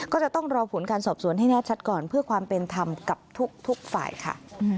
ก็จะต้องรอผลการสอบสวนให้แน่ชัดก่อนเพื่อความเป็นธรรมกับทุกฝ่ายค่ะ